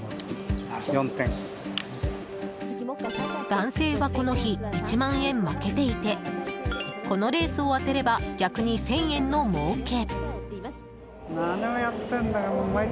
男性は、この日１万円負けていてこのレースを当てれば逆に１０００円のもうけ。